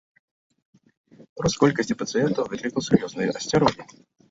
Рост колькасці пацыентаў выклікаў сур'ёзныя асцярогі.